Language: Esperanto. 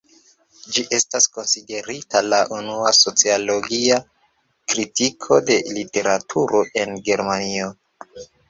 Ĝi estas konsiderita la unua "sociologia" kritikisto de literaturo en Germanio.